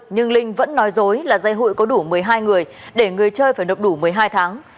nhưng linh vẫn nói dối là dây hụi có đủ một mươi hai người để người chơi phải nộp đủ một mươi hai tháng